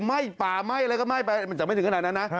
ไหม้ป่าไหม้อะไรก็ไหม้ไปมันจะไม่ถึงขนาดนั้นนะ